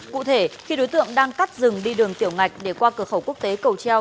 cụ thể khi đối tượng đang cắt rừng đi đường tiểu ngạch để qua cửa khẩu quốc tế cầu treo